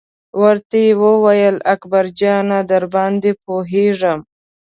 ورته یې وویل: اکبر جانه درباندې پوهېږم.